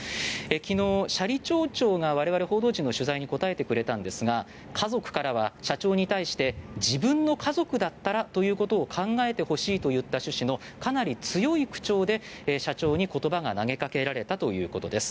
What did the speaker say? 昨日、斜里町長が我々報道陣の取材に答えてくれたんですが家族からは社長に対して自分の家族だったらということを考えてほしいといった趣旨のかなり強い口調で、社長に言葉が投げかけられたということです。